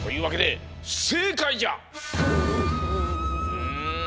うん！